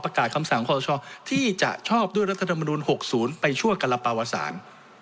ประกาศคำสั่งของความสนชอบที่จะชอบด้วยรัฐธรรมนูล๖๐ไปช่วงกลปาวสาร